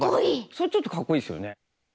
それちょっとかっこいいですよね。